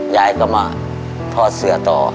ยายก็มาทอดเสื้อต่อ